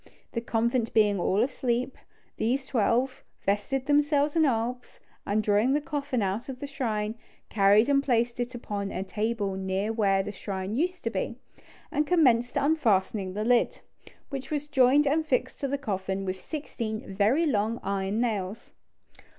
The convent being all asleep, these twelve vested themselves in albs, and drawing the coffin out of the shrine, carried and placed it upon a table near where the shrine used to be, and commenced unfastening the lid, which was joined and fixed to the coffin with sixteen very long iron nails.